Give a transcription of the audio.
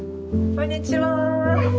こんにちは。